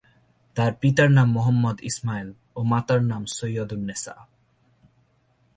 তার পিতার নাম মোহাম্মদ ইসমাইল ও মাতার নাম ছৈয়দুন্নেছা।